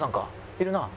いるなあ。